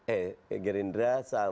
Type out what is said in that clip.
eh gerindra sama